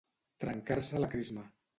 Trencar-se la crisma.